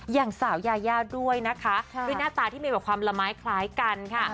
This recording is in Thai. อย่างสาวยายาด้วยนะคะด้วยหน้าตาที่มีแบบความละไม้คล้ายกันค่ะ